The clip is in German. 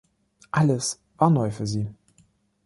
Alles war neu für sie.